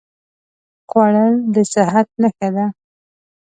خوړل د صحت نښه ده